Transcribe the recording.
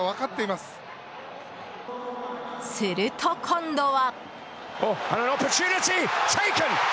すると今度は。